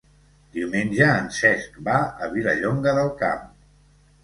Diumenge en Cesc va a Vilallonga del Camp.